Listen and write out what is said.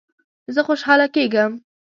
زه خوشحاله کیږم